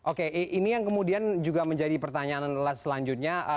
oke ini yang kemudian juga menjadi pertanyaan selanjutnya